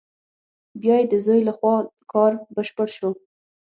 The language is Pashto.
بیا یې د زوی له خوا کار بشپړ شو.